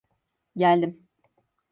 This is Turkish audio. Geldim.